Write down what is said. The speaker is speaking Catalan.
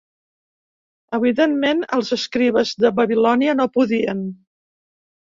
Evidentment, els escribes de Babilònia no podien.